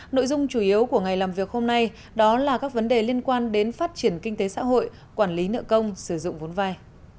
nội dung chủ yếu của ngày làm việc hôm nay đó là các vấn đề liên quan đến phát triển kinh tế xã hội quản lý nợ công sử dụng vốn vai